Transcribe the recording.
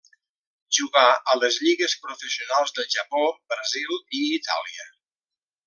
Jugà a les lligues professionals del Japó, Brasil i Itàlia.